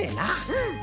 うん。